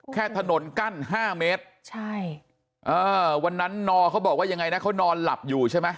ถนนกั้น๕เมตรวันนั้นนอเขาบอกว่ายังไงนะเขานอนหลับอยู่ใช่ไหม